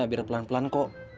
biar pelan pelan kok